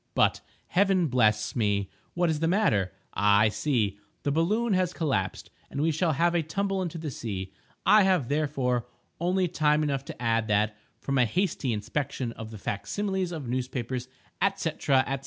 —But, Heaven bless me! what is the matter? Ah, I see—the balloon has collapsed, and we shall have a tumble into the sea. I have, therefore, only time enough to add that, from a hasty inspection of the fac similes of newspapers, &c., &c.